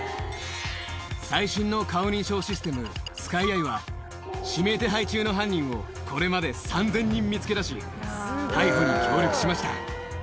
最新の顔認証システム、スカイアイは、指名手配中の犯人をこれまで３０００人見つけ出し、逮捕に協力しました。